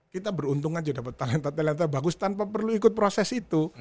kita beruntung aja dapat talenta talenta bagus tanpa perlu ikut proses itu